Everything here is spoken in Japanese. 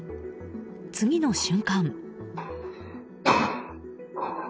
次の瞬間。